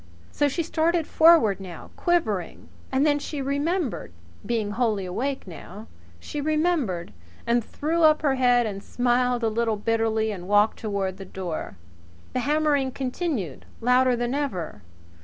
So she started forward now, quivering. And then she remembered, being wholly awake now she remembered, and threw up her head and smiled a little bitterly and walked toward the door. The hammering continued, louder than ever.